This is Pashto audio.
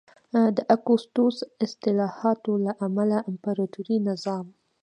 د اګوستوس اصلاحاتو له امله امپراتوري نظام